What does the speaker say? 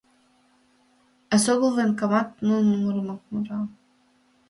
Эсогыл военкомат нунын мурымак мура.